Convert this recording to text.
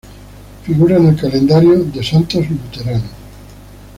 Figura en el Calendario de Santos Luterano.